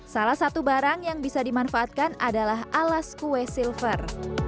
salah satu barang yang bisa dimanfaatkan adalah alas kue silver